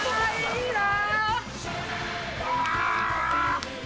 いいなー。